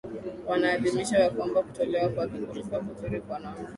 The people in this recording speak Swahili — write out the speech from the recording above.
wanaadhimisha ya kwamba kutolewa kwake kulikuwa kuzuri kwa maana